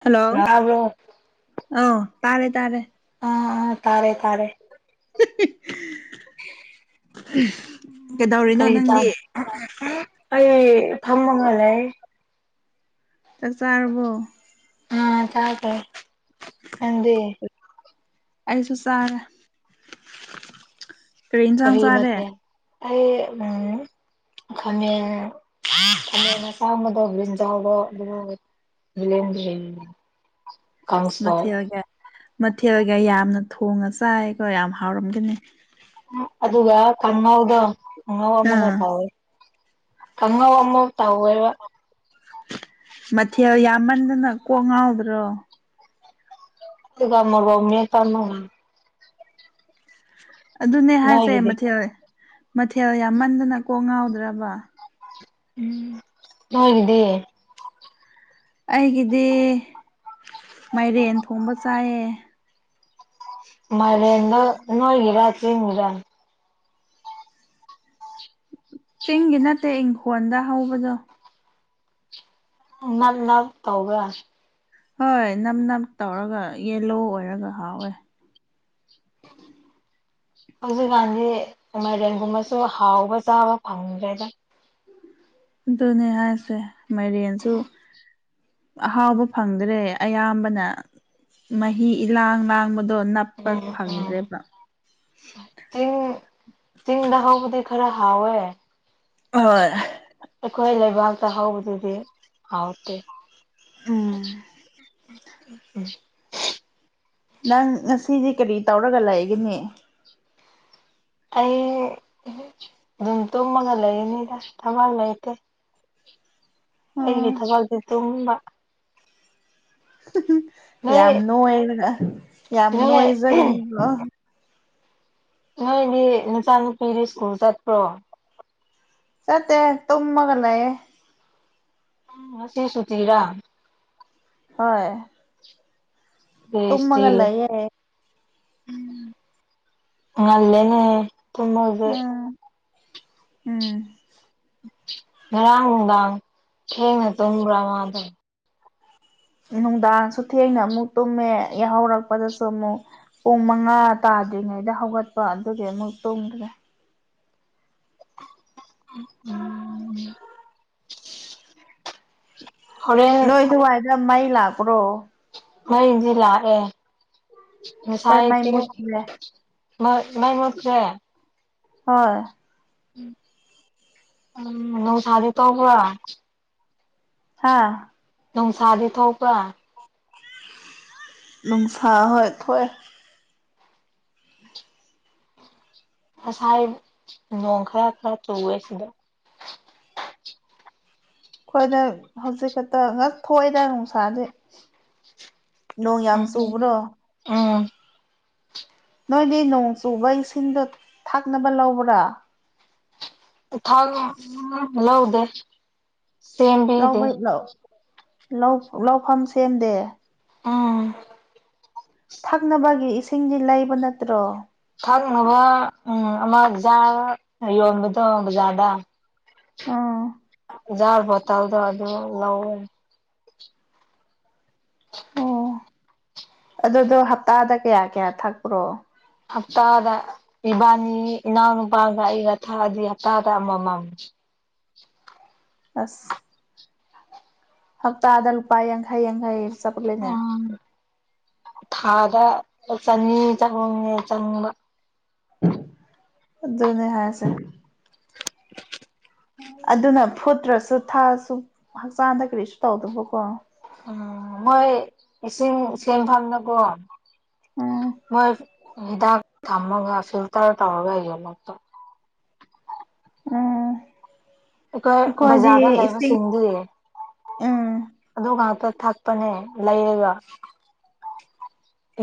hello ꯇꯥꯕ꯭ꯔꯣ ꯑ ꯇꯥꯔꯦ ꯇꯥꯔꯦ ꯑ ꯑ ꯇꯥꯔꯦ ꯇꯥꯔꯦ [inaudible] ꯀꯩꯗꯧꯔꯤꯅꯣ ꯀꯔꯤ ꯅꯪꯗꯤ ꯇꯩꯔꯤ ꯑꯩ ꯐꯝꯃꯒ ꯂꯩ ꯆꯥꯛ ꯆꯥꯔꯕꯣ ꯑꯥ ꯆꯥꯒꯔ‌ꯦ ꯅꯪꯗꯤ ꯑꯩꯁꯨ ꯆꯥꯔꯦ ꯏꯟꯁꯥꯡ ꯀꯔꯤ ꯆꯥꯔꯦ ꯃꯊ‌ꯦꯟ ꯑꯩ ꯎꯝ ꯈꯥꯃꯦꯟ ꯈꯥꯃꯦꯟ ꯑꯁꯥꯡꯕꯗꯣ ꯕ꯭ꯔꯤꯖꯥꯜꯗꯣ ꯑꯗꯨꯒ ꯕ‌ꯦꯂꯟꯗ꯭ꯔꯤꯒ [inaudible] ꯃꯊꯦꯜꯒ ꯃꯊꯦꯜꯒ ꯌꯥꯝꯅ ꯊꯣꯡꯉ ꯆꯥꯏꯀꯣ ꯌꯥꯝ ꯍꯥꯎꯔꯝꯒꯅꯤ ꯑꯗꯨꯒ ꯀꯥꯉꯧꯗ‌ꯣ ꯀꯥꯉꯧ ꯑꯃꯒ ꯑꯥ ꯇꯧꯋꯤ ꯀꯥꯉꯧ ꯑꯃ ꯇꯧꯋ‌ꯦꯕ ꯃꯊꯦꯜ ꯌꯥꯝꯃꯟꯗꯅ ꯀꯣꯛ ꯉꯥꯎꯗ꯭ꯔꯣ ꯑꯗꯨꯒ ꯃ‌ꯣꯔ‌ꯣꯛ ꯃ‌ꯦꯠꯄ ꯑꯃꯒ ꯑꯗꯨꯅꯦ ꯍꯥꯏꯁꯦ ꯅꯣꯏꯒꯤꯗꯤ ꯃꯊꯦꯜ ꯃꯊꯦꯜ ꯌꯥꯝꯃꯟꯗꯅ ꯀꯣꯛ ꯉꯥꯎꯗ꯭ꯔꯕ ꯎꯝ ꯅꯣꯏꯒꯤꯗꯤ ꯑꯩꯒꯤꯗꯤ ꯃꯥꯏꯔꯦꯟ ꯊꯣꯡꯕ ꯆꯥꯏꯌꯦ ꯃꯥꯏꯔ‌ꯦꯟꯗ‌ꯣ ꯅꯣꯏꯒꯤꯔꯥ ꯆꯤꯡꯒꯤꯔꯥ ꯆꯤꯡꯒꯤ ꯅꯠꯇꯦ ꯏꯪꯈꯣꯟꯗ ꯍꯧꯕꯗꯣ ꯅꯄꯣꯛ ꯅꯄ ꯇꯧꯕ꯭ꯔꯥ ꯍꯣꯏ ꯅꯝ ꯅꯞ ꯇꯧꯔꯒ ꯌꯦꯂꯣ ꯑꯣꯏꯔꯒ ꯍꯥꯎꯋꯦ ꯍꯧꯖꯤꯛꯀꯥꯟꯗꯤ ꯃꯥꯏꯔ‌ꯦꯟꯒꯨꯝꯕꯁꯨ ꯍꯥꯎꯕ ꯆꯥꯕ ꯐꯪꯗ꯭ꯔꯦꯗ ꯑꯗꯨꯅꯦ ꯍꯥꯏꯁꯦ ꯃꯥꯏꯔ‌ꯦꯟꯁꯨ ꯑꯍꯥꯎꯕ ꯐꯪꯗ꯭ꯔꯦ ꯑꯌꯥꯝꯕꯅ ꯃꯍꯤ ꯏꯂꯥꯡ ꯂꯥꯡꯕꯗꯣ ꯅꯞ ꯄ ꯎꯝ ꯎꯝ ꯐꯪꯗ꯭ꯔꯦꯕ ꯆꯤꯡ ꯆꯤꯡꯗ ꯍꯧꯕꯗꯤ ꯈꯔ ꯍꯥꯎꯋꯦ ꯍꯣꯏ ꯑꯩꯈꯣꯏ ꯂꯩꯕꯥꯛꯇ ꯍꯧꯕꯗꯨꯗꯤ ꯍꯥꯎꯇꯦ ꯎ ꯉꯁꯤꯗꯤ ꯀꯔꯤ ꯇꯧꯔꯒ ꯂꯩꯒꯅꯤ ꯑꯩ ꯑꯗꯨꯝ ꯇꯨꯝꯃꯒ ꯂꯩꯔꯤꯅꯤꯗ ꯊꯃꯜ ꯂꯩꯇꯦ ꯑꯩꯒꯤ ꯎꯝ ꯊꯕꯛꯁꯦ ꯇꯨꯝꯕ ꯅꯣꯏ ꯌꯥꯝ ꯅꯨꯡꯔ ꯌꯥꯝ ꯅꯣꯏ ꯑꯣꯏꯖꯒꯅꯤꯕꯣ ꯅꯣꯏꯅꯦ ꯅꯨꯆꯥ ꯅꯨꯨꯄꯤꯗꯤ ꯁ꯭ꯀꯨꯜ ꯆꯠꯄ꯭ꯔꯣ ꯆꯠꯇꯦ ꯇꯃꯒꯅꯥꯌꯦ ꯎꯁꯦꯁꯨꯇꯤꯔ ꯍꯣꯏ ꯇꯨꯝꯃꯒ ꯂꯩꯌꯦ [unintelligible] ꯅꯂꯅꯦ ꯏ ꯊꯃꯒꯦ ꯎꯝ ꯎꯝ ꯔꯗꯥ ꯍꯉ ꯇ꯭ꯔꯃꯗ ꯅꯨꯡꯗꯥꯡꯁꯨ ꯊꯦꯡꯅ ꯑꯃꯨꯛ ꯇꯨꯝꯃꯦ ꯌꯥꯍꯧꯔꯛꯄꯗꯁꯨ ꯑꯃꯨꯛ ꯄꯨꯡ ꯃꯉꯥ ꯇꯥꯗ꯭ꯔꯤꯉꯩꯗ ꯍꯧꯒꯠꯄ ꯑꯗꯨꯒꯤ ꯑꯃꯨꯛ ꯇꯣꯡꯗ꯭ꯔꯦ ꯎꯝ ꯎꯝ ꯍꯣꯔꯦꯟ ꯅꯣꯏ ꯊꯋꯥꯏꯗ ꯃꯩ ꯂꯥꯛꯄ꯭ꯔꯣ ꯃꯗꯤ ꯂꯥꯛꯏ ꯍꯣꯏ ꯃꯩ ꯑꯁꯩꯗꯤ ꯃꯨꯠꯂꯦ ꯃ ꯃꯥꯏ ꯃꯠꯇ꯭ꯔꯦ ꯍꯣꯏ [unintelligible] ꯍꯥꯥ ꯅꯨꯡꯁꯥꯗꯤ ꯊꯣꯛꯄ꯭ꯔꯥ ꯅꯨꯡꯁꯥ ꯍꯣꯏ ꯊꯣꯛꯑ ꯉꯁꯥꯏ ꯅꯣꯡ ꯈꯔ ꯈꯔ ꯆꯨꯑꯦ ꯁꯤꯗ ꯑꯩꯈꯣꯏꯗ ꯍꯧꯖꯤꯛ ꯈꯛꯇ ꯉꯥꯛ ꯊꯣꯛꯏꯗ ꯅꯨꯡꯁꯥꯗꯤ ꯅꯣꯡ ꯎ ꯌꯥꯝ ꯆꯨꯕ꯭ꯔꯣ ꯎꯝ ꯅꯣꯏꯗꯤ ꯅꯣꯡ ꯆꯨꯕ ꯏꯁꯤꯡꯗꯣ ꯊꯥꯛꯅꯕ ꯂꯧꯕ꯭ꯔꯥ ꯂꯧꯗꯦ ꯁꯦꯝꯕꯤꯗꯦ ꯂꯩ ꯂꯧꯐꯝ ꯁꯦꯝꯗꯦ ꯑꯝ ꯊꯛꯅꯕꯒꯤ ꯏꯁꯤꯡꯗꯤ ꯂꯩꯕ ꯅꯠꯇ꯭ꯔꯣ ꯊꯥꯛꯅꯕ ꯎꯝ ꯑꯃ ꯖꯥꯔ ꯌꯩꯟꯕꯗꯣ ꯕꯖꯥꯔꯗ ꯎꯝ ꯥꯖꯥꯔ ꯕꯪꯇꯜꯗꯣ ꯑꯗꯨ ꯂꯧꯋꯦ ꯑꯣ ꯑꯗꯨꯗꯣ ꯍꯞꯇꯥꯗ ꯀꯌꯥ ꯀꯌꯥ ꯊꯛꯄ꯭ꯔꯣ ꯍꯞꯇꯥꯗ ꯏꯕꯥꯅꯤ ꯏꯅꯥꯎꯅꯨꯄꯥꯒ ꯑꯩꯒ ꯊꯛꯑꯗꯤ ꯍꯞꯇꯥꯗ ꯑꯃꯃꯝ ꯑꯁ ꯍꯞꯇꯥꯗ ꯂꯨꯄꯥ ꯌꯥꯡꯈꯩ ꯌꯥꯡꯈꯩ ꯆꯠꯂꯦꯅꯦ ꯎꯝ ꯊꯥꯗ ꯆꯅꯤ ꯆꯍꯨꯝ ꯃꯨꯀ ꯆꯪꯕ ꯑꯗꯨꯅꯦ ꯍꯥꯏꯁꯦ ꯑꯗꯨꯅ ꯐꯨꯠꯇ꯭ꯔꯁꯨ ꯊꯥꯁꯨ ꯍꯛꯆꯥꯡꯗ ꯀꯔꯤꯁꯨ ꯇꯧꯗꯕꯀꯣ ꯎꯝ ꯃꯣꯏ ꯏꯁꯤꯡ ꯁꯦꯟꯐꯝꯅꯀꯣ ꯎꯝ ꯃꯣꯏ ꯍꯤꯗꯥꯛ ꯊꯝꯃꯒ ꯐꯤꯜꯇꯔ ꯇꯧꯔꯒ ꯌꯣꯟꯂꯛꯇꯣ [unintelligible] ꯑꯩꯈꯣꯏ ꯑꯩꯈꯣꯏꯗꯤ ꯕꯖꯥꯔꯗ ꯏꯁꯤꯡ ꯂꯩꯕꯁꯤꯡꯗꯤ ꯎꯝ ꯑꯗꯨ ꯉꯥꯛꯇ ꯊꯛꯄꯅꯦ ꯂꯩꯔꯒ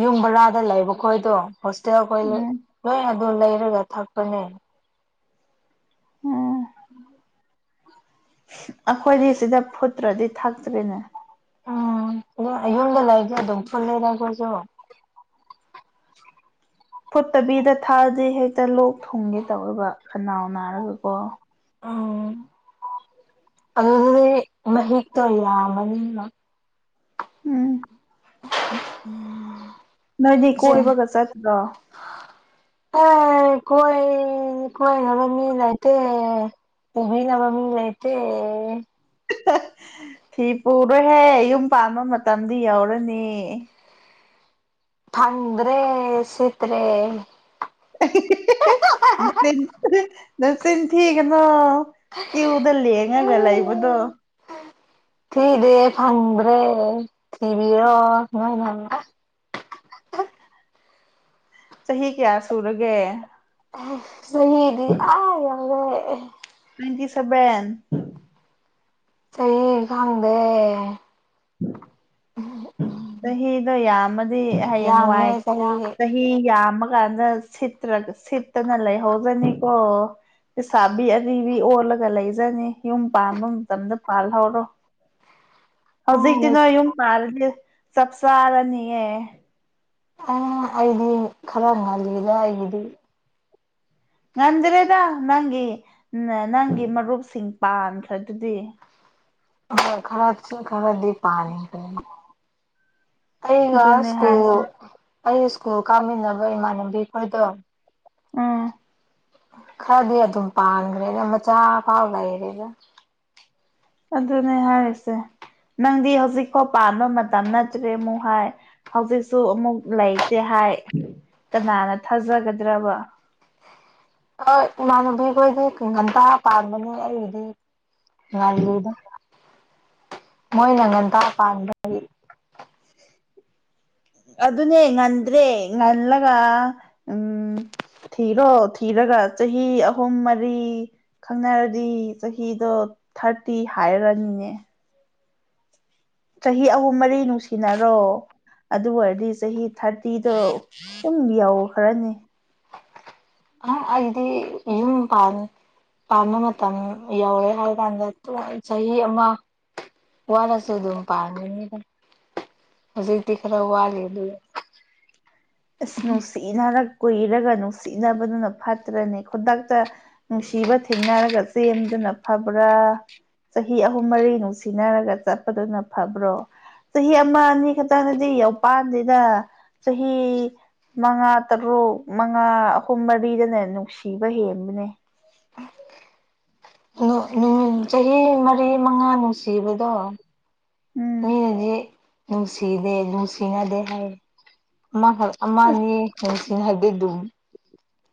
ꯌꯨꯝ ꯕꯔꯥꯗ ꯂꯩꯕ ꯈꯣꯏꯗꯣ ꯍꯣꯁꯇꯦꯜ ꯈꯣꯏ ꯎꯝ ꯂꯣꯏ ꯑꯗꯨ ꯂꯩꯔꯒ ꯊꯛꯄꯅꯦ ꯎꯝ ꯎꯝ ꯑꯩꯈꯣꯏꯗꯤ ꯁꯤꯗ ꯐꯨꯠꯇ꯭ꯔꯗꯤ ꯊꯛꯇ꯭ꯔꯔꯤꯅꯦ ꯎꯝ ꯑꯗꯨ ꯌꯨꯝꯗ ꯂꯩꯔꯗꯤ ꯑꯗꯨꯝ ꯄꯨꯜꯂꯦꯗ ꯑꯩꯈꯣꯏꯁꯨ ꯐꯨꯠꯇꯕꯤꯗ ꯊꯛꯑꯗꯤ ꯍꯦꯛꯇ ꯂꯣꯛ ꯊꯨꯡꯒꯦ ꯇꯧꯌꯦꯕ ꯈꯅꯥꯎ ꯅꯥꯔꯒ ꯀꯣ ꯎꯝ ꯑꯗꯨꯗꯗꯤ ꯃꯍꯤꯛꯇꯣ ꯌꯥꯝꯕꯅꯤꯅ ꯎꯝ ꯅꯣꯏꯗꯤ ꯁꯦ ꯀꯣꯏꯕꯒ ꯆꯠꯇ꯭ꯔꯣ [unintelligible] ꯑꯦ ꯀꯣꯏ ꯀꯣꯏꯅꯕ ꯃꯤ ꯂꯩꯇꯦ ꯎꯕꯤ ꯅ ꯃꯃꯤ ꯂꯩꯥꯏꯇꯦ ꯐꯤ ꯄꯨꯔꯣꯍꯦ ꯌꯨꯝ ꯄꯥꯟꯕ ꯃꯇꯝꯗꯤ ꯌꯧꯔꯅꯤ ꯐꯪꯗ꯭ꯔꯦ ꯁꯤꯠꯇ꯭ꯔꯦ ꯅꯆꯤꯟ ꯅꯆꯤꯟ ꯊꯤꯒꯅꯣ ꯀ꯭ꯤꯌꯨꯗ ꯂꯦꯡꯉꯒ ꯂꯩꯕꯗꯣ ꯊꯤꯗꯦ ꯐꯪꯗ꯭ꯔꯦ ꯊꯤꯕꯤꯔꯣ ꯅꯣꯏꯅ ꯆꯍꯤ ꯀꯌꯥ ꯁꯨꯔꯒꯦ ꯁꯍꯤꯗꯤ ꯑꯥ ꯌꯧꯔꯦ ꯇꯨꯨ꯭ꯋꯦꯟꯇꯤꯁꯥꯚꯦꯜ ꯆꯍꯤ ꯈꯪꯗꯦ ꯆꯍꯤꯗꯣ ꯌꯥꯝꯃꯗꯤ ꯍꯌꯦꯡ ꯌꯥꯝꯃꯦ ꯋꯥꯏ ꯆꯍꯤ ꯆꯍꯤ ꯌꯥꯝꯃꯀꯥꯟꯗ ꯁꯤꯠꯇ꯭ꯔ ꯁꯤꯠꯇꯅ ꯂꯩꯍꯧꯗꯣꯏꯅꯤꯀꯣ ꯂꯩꯁꯥꯕꯤ ꯑꯔꯤꯕꯤ ꯑꯣꯜꯂꯒ ꯂꯩꯖꯅꯤ ꯌꯨꯝ ꯄꯥꯟꯕ ꯃꯇꯝꯗ ꯄꯥꯜꯍꯧꯔꯣ ꯎꯝ ꯍꯧꯖꯤꯛꯇꯤ ꯅꯣꯏ ꯌꯨꯝ ꯄꯥꯜꯔꯗꯤ ꯆꯞ ꯆꯥꯔꯅꯤꯌꯦ ꯎꯝ ꯑꯩꯗꯤ ꯈꯔ ꯉꯜꯂꯤꯗ ꯑꯩꯒꯤꯗꯤ ꯉꯟꯗ꯭ꯔꯦꯗ ꯅꯪꯒꯤ ꯅꯪꯒꯤ ꯃꯔꯨꯞꯁꯤꯡ ꯄꯥꯟꯈ꯭ꯔꯗꯨꯗꯤ ꯍꯣꯏ ꯈꯔꯆꯤꯡ ꯈꯔꯗꯤ ꯄꯥꯟꯈ꯭ꯔꯦ ꯑꯩꯒ ꯑꯗꯨꯅꯦ ꯁ꯭ꯀꯨꯜ ꯍꯥꯏꯁꯦ ꯑꯩ ꯁ꯭ꯀꯨꯜ ꯀꯥꯞꯃꯤꯟꯅꯕ ꯏꯃꯥꯟꯅꯕꯤ ꯈꯣꯏꯗꯣ ꯎꯝ ꯈꯔꯗꯤ ꯑꯗꯨꯝ ꯄꯥꯟꯈ꯭ꯔꯦꯗ ꯃꯆꯥ ꯐꯥꯎ ꯂꯩꯔꯦꯗ ꯑꯗꯨꯅꯦ ꯍꯥꯏꯔꯤꯁꯦ ꯅꯪꯗꯤ ꯍꯧꯖꯤꯛꯐꯥꯎ ꯄꯥꯟꯕ ꯃꯇꯝ ꯅꯠꯇ꯭ꯔꯦ ꯑꯃꯨꯛ ꯍꯥꯏ ꯍꯧꯖꯤꯛꯁꯨ ꯑꯃꯨꯛ ꯂꯩꯇꯦ ꯍꯥꯏ ꯀꯅꯥꯅ ꯊꯥꯖꯒꯗ꯭ꯔꯕ ꯍꯣꯏ ꯏꯃꯥꯟꯅꯕꯤꯈꯣꯏꯗꯤ ꯉꯟꯇꯥ ꯄꯥꯟꯕꯅꯦ ꯑꯩꯒꯤꯗꯤ ꯉꯜꯂꯤꯗ ꯃꯣꯏꯅ ꯉꯟꯇꯥ ꯄꯥꯟꯕꯒꯤ [unintelligible] ꯑꯗꯨꯅꯦ ꯉꯟꯗ꯭ꯔꯦ ꯉꯜꯂꯒ ꯎꯝ ꯊꯤꯔꯣ ꯊꯤꯔꯒ ꯆꯍꯤ ꯑꯍꯨꯝ ꯃꯔꯤ ꯈꯪꯅꯔꯗꯤ ꯆꯍꯤꯗꯣ ꯊꯥꯔꯇꯤ ꯍꯥꯏꯔꯅꯤꯅꯦ ꯆꯍꯤ ꯑꯍꯨꯝ ꯃꯔꯤ ꯅꯨꯡꯁꯤꯅꯔꯣ ꯑꯗꯨ ꯑꯣꯏꯔꯗꯤ ꯆꯍꯤ ꯊꯥꯔꯇꯤꯗꯣ ꯗꯨꯝ ꯌꯥꯎꯈ꯭ꯔꯅꯤ ꯍꯝ ꯑꯩꯗꯤ ꯌꯨꯝ ꯄꯥꯟ ꯄꯥꯟꯕ ꯃꯇꯝ ꯌꯧꯔꯦ ꯍꯥꯏꯔ ꯀꯥꯟꯗ ꯆꯍꯤ ꯑꯃ ꯋꯥꯠꯂꯁꯨ ꯑꯗꯨꯝ ꯄꯥꯟꯒꯅꯤꯗ ꯍꯧꯖꯤꯛꯇꯤ ꯈꯔ ꯋꯥꯠꯂꯤ ꯑꯗꯨ ꯑꯁ ꯅꯨꯡꯁꯤꯅꯔ ꯀꯨꯏꯔꯒ ꯅꯨꯡꯁꯤꯅꯕꯗꯨꯅ ꯐꯠꯇ꯭ꯔꯅꯦ ꯈꯨꯗꯛꯇ ꯅꯨꯡꯁꯤꯕ ꯊꯦꯡꯅꯔꯒ ꯆꯦꯟꯕꯗꯨꯅ ꯐꯕ꯭ꯔꯥ ꯆꯍꯤ ꯑꯍꯨꯝ ꯃꯔꯤ ꯅꯨꯡꯁꯤꯅꯔꯒ ꯆꯠꯄꯗꯨꯅ ꯐꯕ꯭ꯔꯣ ꯆꯍꯤ ꯑꯃ ꯑꯅꯤ ꯈꯛꯇꯅꯗꯤ ꯌꯧꯄꯥꯟꯗꯦꯗ ꯆꯍꯤ ꯃꯉꯥ ꯇꯔꯨꯛ ꯃꯉꯥ ꯑꯍꯨꯝ ꯃꯔꯤꯗꯅ ꯅꯨꯡꯁꯤꯕ ꯍꯦꯟꯕꯅꯦ ꯑꯗꯣ ꯆꯍꯤ ꯃꯔꯤ ꯃꯉꯥ ꯅꯨꯡꯁꯤꯕꯗꯣ ꯎꯝ ꯃꯤꯅꯗꯤ ꯅꯨꯡꯁꯤꯗꯦ ꯅꯨꯡꯁꯤꯅꯗꯦ ꯍꯥꯏꯌꯦ ꯑꯃꯈꯛ ꯑꯃ ꯑꯅꯤ [unintelligible]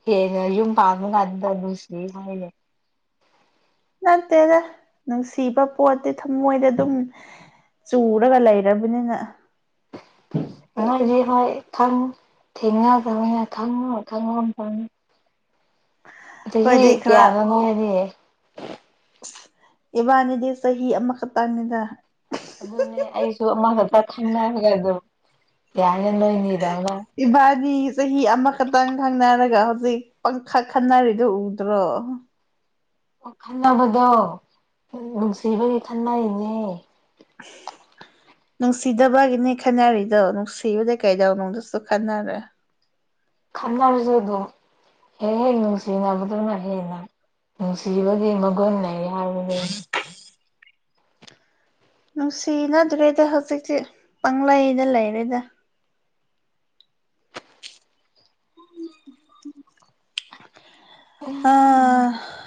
ꯍꯦꯟꯅ ꯌꯨꯝ ꯄꯥꯟꯕ ꯀꯥꯟꯗ ꯅꯨꯡꯁꯤꯌꯦ ꯍꯥꯏꯌꯦ ꯅꯠꯇꯦꯗ ꯅꯨꯡꯁꯤꯕ ꯄꯣꯠꯇꯤ ꯊꯝꯃꯣꯏꯗ ꯑꯗꯨꯝ ꯆꯨꯔꯒ ꯂꯩꯔꯕꯅꯤꯅ ꯅꯣꯏꯗꯤ ꯍꯣꯏ ꯈꯪ ꯊꯦꯡꯅꯒꯔꯃꯤꯅ ꯈꯪꯕꯒꯨꯝ-ꯈꯪꯕꯒꯨꯝ ꯇꯩꯅꯤ ꯆꯍꯤ ꯑꯩꯈꯣꯏꯗꯤ ꯈꯔ ꯀꯌꯥꯅꯣ ꯅꯣꯏꯑꯅꯤ ꯏꯕꯥꯅꯤꯗꯤ ꯆꯍꯤ ꯑꯃꯈꯛꯇꯪꯅꯤꯗ ꯑꯗꯨꯅꯦ ꯑꯩꯁꯨ ꯑꯃꯈꯛꯇ ꯈꯪꯅꯔꯒ ꯑꯗꯨꯝ ꯌꯥꯅꯤ ꯅꯣꯏꯅꯤꯗꯧꯅ ꯏꯕꯥꯅꯤ ꯆꯍꯤ ꯑꯃꯈꯛꯇꯪ ꯈꯪꯅꯔꯒ ꯍꯧꯖꯤꯛ ꯄꯪꯈꯛ ꯈꯟꯅꯔꯤꯗꯨꯣ ꯎꯗ꯭ꯔꯣ ꯑꯣ ꯈꯟꯅꯕꯗꯣ ꯅꯨꯡꯁꯤꯕꯒꯤ ꯈꯟꯅꯩꯅꯦ [inaudible] ꯅꯨꯡꯁꯤꯗꯕꯒꯤꯅꯤ ꯈꯟꯅꯔꯤꯗꯣ ꯅꯨꯡꯁꯤꯕꯗꯩ ꯀꯩꯗꯧ ꯅꯨꯡꯗꯁꯨ ꯈꯟꯅꯔꯦ ꯈꯟꯅꯔꯁꯨ ꯑꯗꯨꯝ ꯍꯦꯛ ꯍꯦꯛ ꯅꯨꯡꯁꯤꯅꯕꯗꯨꯧꯅ ꯍꯦꯟꯅ ꯅꯨꯡꯁꯤꯕꯒꯤ ꯃꯒꯨꯟꯅ ꯍꯥꯏꯔꯅꯦ ꯅꯨꯡꯁꯤꯅꯗ꯭ꯔꯦꯗ ꯍꯧꯖꯤꯛꯁꯤ ꯄꯩꯗ ꯂꯩꯔꯦꯗ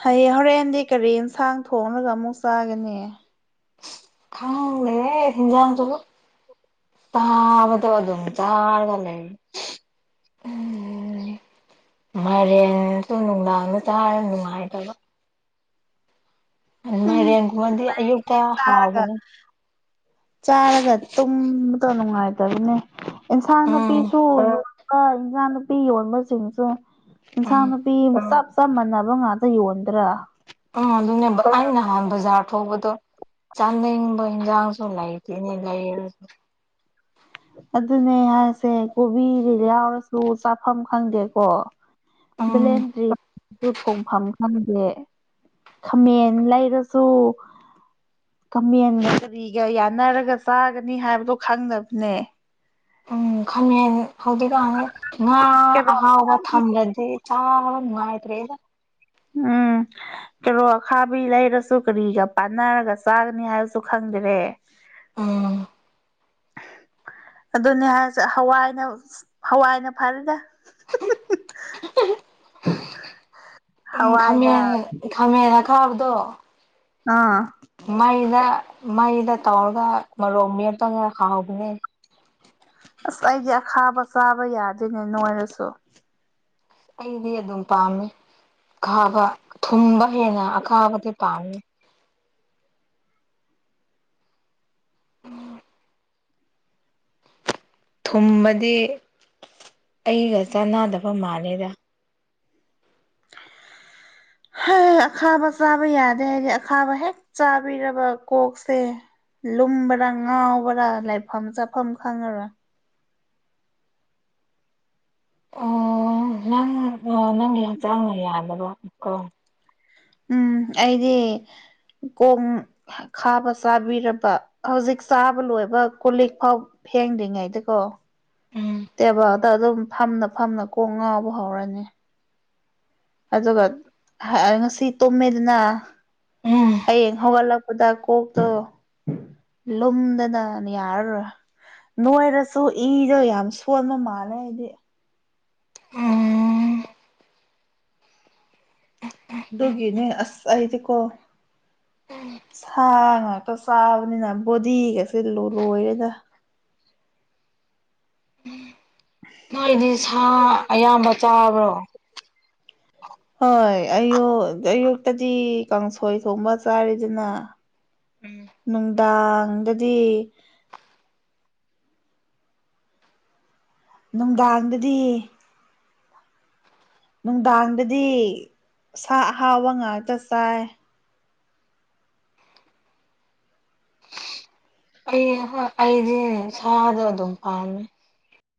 ꯍꯌꯦꯡ ꯍꯣꯔꯦꯟꯗꯤ ꯀꯔꯤ ꯌꯦꯟꯁꯥꯡ ꯊꯣꯡꯡꯂꯒ ꯑꯃꯨꯛ ꯆꯥꯒꯅꯤ ꯈꯥꯎ ꯑꯦ ꯍꯤꯟꯖꯥ ꯆꯒꯣ ꯆꯥꯕꯠꯇ ꯑ ꯑꯗꯨꯨꯝ ꯆꯥꯔꯒꯂ ꯎꯝ ꯃꯔꯦꯟꯁꯨ ꯅꯨꯡꯗꯥꯡꯗ ꯆꯥꯔꯒ ꯅꯨꯡꯉꯥꯏꯇꯕ ꯎꯝ ꯃꯥꯏꯔꯦꯡꯒꯨꯝꯕꯗꯤ ꯑꯌꯨꯛꯇ ꯍꯥꯎꯕꯅꯤ ꯆꯥꯔꯒ ꯇꯨꯝꯕꯗ ꯅꯨꯡꯉꯥꯏꯇꯕꯅꯦ ꯏꯟꯁꯥꯡ ꯎꯝ ꯅꯥꯄꯤꯁꯨ ꯀ ꯏꯟꯁꯥꯡ ꯅꯨꯨꯄꯤ ꯌꯣꯟꯕꯁꯤꯡꯁꯨ ꯏꯟꯁꯥꯡ ꯎꯝ ꯅꯨꯄꯤ ꯅꯨꯄꯤ ꯆꯞ ꯆꯞ ꯃꯥꯟꯅꯕ ꯉꯥꯛꯇ ꯌꯣꯟꯗ꯭ꯔꯥ ꯎꯝ ꯑꯗꯨꯅꯦ ꯑ ꯅꯍꯥꯟ ꯕꯖꯥꯔ ꯊꯧꯕꯗꯣ ꯆꯥꯟꯗꯕꯅ ꯌꯥꯥꯎꯁꯨꯣ ꯂꯩꯏꯇꯅꯤ ꯂꯩ ꯑꯗꯨꯅꯦ ꯍꯥꯏꯁꯦ ꯀꯣꯕꯤꯗꯤ ꯌꯥꯎꯔꯁꯨ ꯆꯥꯐꯝ ꯈꯪꯗꯦꯀꯣ ꯎꯝ ꯕ꯭ꯂꯦꯟ ꯗ꯭ꯔꯤ ꯊꯣꯡꯐꯝ ꯗ ꯈꯥꯃꯦꯟ ꯂꯩꯔꯁꯨ ꯈꯃꯦꯟꯒ ꯀꯔꯤꯒ ꯌꯥꯅꯔꯒ ꯆꯥꯒꯅꯤ ꯍꯥꯏꯕꯗꯣ ꯈꯪꯅꯕꯅꯦ ꯎꯝ ꯈꯟꯉ ꯍꯧꯖꯤꯛꯀꯥꯟꯗꯤ ꯉꯥ ꯀꯦꯔꯣꯠ ꯑꯍꯥꯎꯕ ꯊꯝꯂꯗꯤ ꯆꯥ ꯉꯅꯨꯡꯉꯥꯏ꯭ꯔꯦ ꯎꯝ ꯀꯔꯣ ꯑꯈꯥꯕꯤ ꯂꯩꯔꯁꯨ ꯀꯔꯤꯒ ꯄꯥꯟꯅꯔꯒ ꯆꯥꯒꯅꯤ ꯍꯥꯏꯕꯁꯨ ꯈꯪꯗꯔꯦ ꯎꯝ ꯑꯗꯨꯅꯤ ꯍꯥꯏꯁꯦ ꯍꯋꯥꯏꯅ ꯍꯋꯥꯏꯅ ꯐꯔꯦꯅꯦ ꯎꯝ ꯍꯋꯥꯏꯅ ꯈꯃꯦꯟ ꯈꯥꯝꯃꯦꯅ ꯈꯥꯕꯗꯣ ꯑꯥ ꯃꯩꯗ ꯃꯩꯗ ꯇꯧꯔꯒ ꯃꯔꯣꯛ ꯃ ꯑꯃꯇꯒ ꯍꯥꯎꯍꯧꯕꯅꯦ ꯑꯁ ꯑꯩꯗꯤ ꯑꯈꯥꯕ ꯆꯥꯕ ꯌꯥꯗꯣꯏꯅꯦ ꯅꯣꯏꯔꯁꯨ ꯑꯩꯗꯤ ꯑꯗꯨꯝ ꯄꯥꯝꯃꯤ ꯑ ꯈꯥꯕ ꯊꯨꯝꯕ ꯍꯦꯟꯅ ꯑꯈꯥꯕꯗꯤ ꯄꯥꯝꯃꯤ ꯎꯝ ꯊꯨꯝꯕꯗꯤ ꯑꯩꯒ ꯆꯥꯟꯅꯗꯕ ꯃꯥꯂꯦꯗ ꯍꯣꯏ ꯑꯈꯥꯕ ꯆꯥꯕ ꯌꯥꯗꯦ ꯍꯥꯏꯗꯤ ꯑꯈꯥꯕ ꯍꯦꯛ ꯆꯥꯕꯤꯔꯕ ꯀꯣꯛꯁꯦ ꯂꯨꯝꯕꯔꯥ ꯉꯥꯎꯕꯔꯥ ꯂꯥꯏꯐꯝ ꯆꯥꯐꯝ ꯈꯪꯉꯔ ꯎ ꯅꯪ ꯅꯪꯒꯤ ꯍꯛꯆꯥꯡꯅ ꯌꯥꯗꯕ ꯀꯣ ꯎꯝ ꯑꯩꯗꯤ ꯀꯣꯡ ꯈꯥꯕ ꯆꯥꯕꯤꯔꯕ ꯍꯧꯖꯤꯛ ꯆꯥꯕ ꯂꯣꯏꯕ ꯀꯣꯂꯤꯛ ꯐꯥꯎ ꯐꯦꯡꯗ꯭ꯔꯤꯉꯩꯗꯀꯣ ꯎꯝ ꯇꯦꯕꯥꯗ ꯑꯗꯨꯝ ꯐꯝꯅ ꯐꯝꯅ ꯀꯣꯡ ꯉꯥꯎꯕ ꯍꯧꯔꯅꯤ ꯑꯗꯨꯒ ꯉꯁꯤ ꯇꯨꯝꯃꯦꯗꯨꯅ ꯎꯝ ꯍꯌꯦꯡ ꯍꯧꯒꯠꯂꯛ ꯈꯨꯗ ꯀꯣꯛꯇꯣ ꯂꯨꯝꯗꯅ ꯌꯥꯔ ꯅꯣꯏꯔꯁꯨ ꯏꯗꯣ ꯌꯥꯝ ꯁꯣꯟꯕ ꯃꯥꯜꯂꯦ ꯍꯥꯏꯗꯤ ꯎꯝ ꯗꯣꯒꯤꯅꯤ ꯑꯁ ꯑꯩꯗꯤ ꯀꯣ ꯁꯥ ꯉꯥꯛꯇ ꯆꯥꯕꯅꯤꯅ ꯕꯣꯗꯤꯒꯁꯦ ꯂꯣꯏꯔꯦꯗ ꯅꯣꯏꯗꯤ ꯁꯥ ꯑꯌꯥꯝꯕ ꯆꯥꯕ꯭ꯔꯣ ꯍꯣꯏ ꯑꯌ ꯑꯌꯨꯛꯇꯗꯤ ꯀꯥꯡꯁꯣꯏ ꯊꯣꯡꯕ ꯆꯥꯔꯤꯗꯅ ꯎꯝ ꯅꯨꯡꯗꯥꯡꯗꯗꯤ ꯅꯨꯡꯗꯥꯡꯗꯗꯤ ꯅꯨꯡꯗꯥꯡꯗꯗꯤ ꯁꯥ ꯑꯍꯥꯎꯕ ꯉꯥꯛꯇ ꯆꯥꯏ ꯑꯩ ꯍꯣꯏ ꯑꯩꯗꯤ ꯏꯁꯗ ꯑꯗꯨꯝ ꯄꯥꯝꯃꯦ